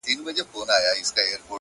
o زما دردونه د دردونو ښوونځی غواړي؛